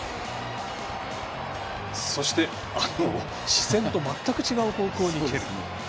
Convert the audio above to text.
そして、視線と全く違う方向に蹴る。